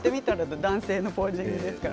男性のポージングですから。